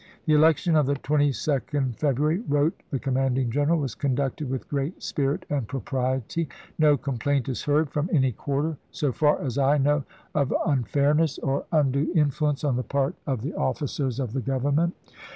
"The election of the 22d February," wrote the commanding general, " was conducted with great spirit and propriety. No complaint is heard from any quarter, so far as I know, of unfairness or un LOUISIANA FREE 433 due influence on the part of the officers of the ch.xvii. Grovernment.